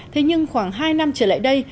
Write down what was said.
thế nhưng khoảng hai năm trở lại đây